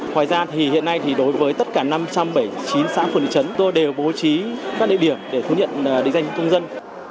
ngoài ra thì hiện nay đối với tất cả năm trăm bảy mươi chín xã phường địa chấn chúng tôi đều bố trí các địa điểm để thú nhận định danh công dân